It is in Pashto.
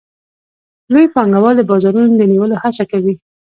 لوی پانګوال د بازارونو د نیولو هڅه کوي